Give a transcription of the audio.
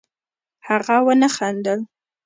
هغه ونه خندل